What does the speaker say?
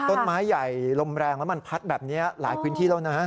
ต้นไม้ใหญ่ลมแรงแล้วมันพัดแบบนี้หลายพื้นที่แล้วนะ